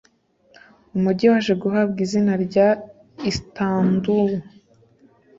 umujyi waje guhabwa izina rya Isitanburu